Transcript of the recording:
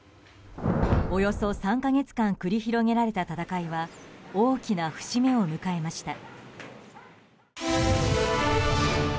およそ３か月間繰り広げられた戦いは大きな節目を迎えました。